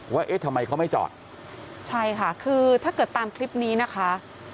เอ๊ะทำไมเขาไม่จอดใช่ค่ะคือถ้าเกิดตามคลิปนี้นะคะ